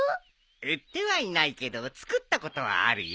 売ってはいないけど作ったことはあるよ。